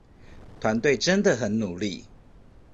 團隊真的很努力